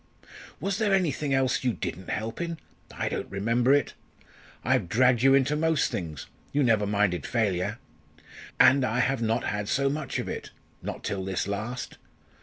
"Was there anything else you didn't help in? I don't remember it. I've dragged you into most things. You never minded failure. And I have not had so much of it not till this last.